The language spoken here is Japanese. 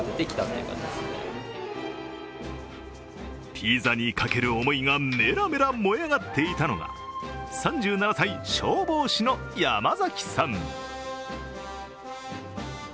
ピザにかける思いがメラメラ燃え上がっていたのが３７歳、消防士の山崎さん。